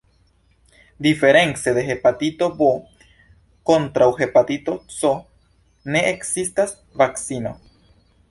Diference de hepatito B, kontraŭ hepatito C ne ekzistas vakcino.